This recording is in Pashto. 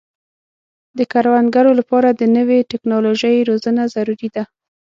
د کروندګرو لپاره د نوې ټکنالوژۍ روزنه ضروري ده.